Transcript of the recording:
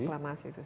iya proklamasi itu